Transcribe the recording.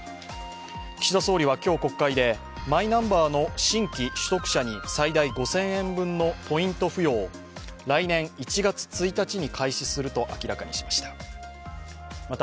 岸田総理は今日、国会で、マイナンバーの新規取得者に最大５０００円分のポイント付与を来年１月１日に開始すると明らかにしました。